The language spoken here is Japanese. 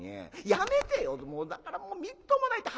やめてよだからもうみっともないって。